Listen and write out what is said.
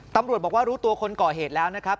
ตำรวจบอกว่ารู้ตัวคนก่อเหตุแล้วนะครับ